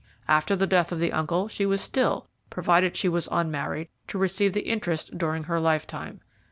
After the death of the uncle she was still, provided she was unmarried, to receive the interest during her lifetime.